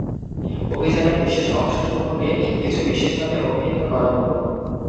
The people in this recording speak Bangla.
অভিযানের বিশেষ অংশ সমূহকে কিছু বিশেষ নামে অভিহিত করা হত।